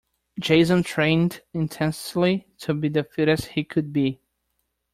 Jason trained intensely to be the fittest he could be.